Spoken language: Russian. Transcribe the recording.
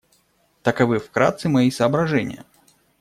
Таковы вкратце мои соображения.